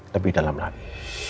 lebih dalam lagi